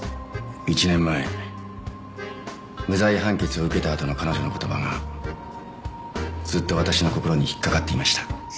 １年前無罪判決を受けたあとの彼女の言葉がずっと私の心に引っかかっていました。